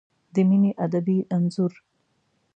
د مینې ادبي انځور